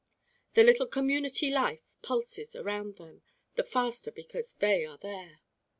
The little community life pulses around them the faster because they are there.